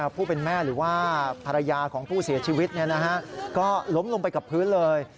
ผู้เป็นแม่หรือว่าภรรยาของผู้เสียชีวิตก็ล้มลงไปกับพื้นเลย